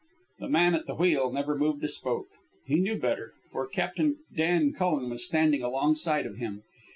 The man at the wheel never moved a spoke. He knew better, for Captain Dan Cullen was standing alongside of him.